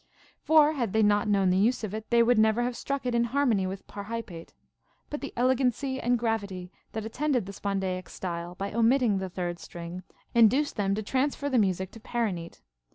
For had they not known the use of it, they would never have struck it in harmony with parhypate ; but the elegancy and gravity that attended the spondaic style by omitting the third string in duced them to transfer the music to paranete.